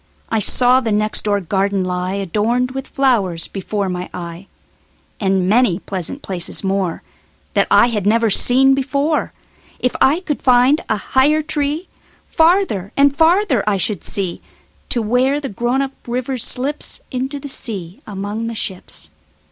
I saw the next door garden lie, Adorned with flowers, before my eye, And many pleasant places moreThat I had never seen before. If I could find a higher treeFarther and farther I should see, To where the grown up river slipsInto the sea among the ships.